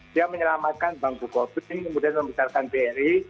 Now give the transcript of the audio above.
dia menyelamatkan bangku covid sembilan belas kemudian membesarkan bri